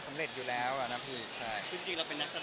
สำเร็จอยู่แล้วอ่ะน้ำถึงอีกใช่คือจริงเราเป็นนักแสดง